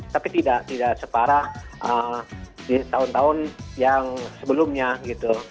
tapi tidak separah di tahun tahun yang sebelumnya gitu